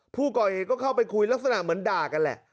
ผู้ก่อเหตุก็เข้าไปคุยลักษณะเหมือนด่ากันแหละ